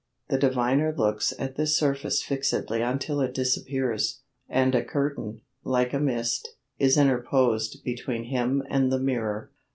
The diviner looks at this surface fixedly until it disappears, and a curtain, like a mist, is interposed between him and the mirror.